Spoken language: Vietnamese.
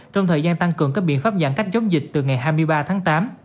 trong thời gian tăng cường các biện pháp giãn cách chống dịch từ ngày hai mươi ba tháng tám